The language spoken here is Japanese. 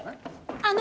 あの！